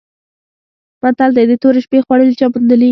متل دی: د تورې شپې خوړلي چا موندلي؟